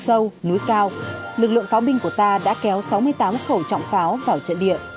sâu núi cao lực lượng pháo binh của ta đã kéo sáu mươi tám khẩu trọng pháo vào trận địa